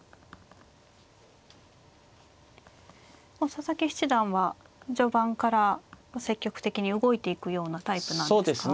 佐々木七段は序盤から積極的に動いていくようなタイプなんですか。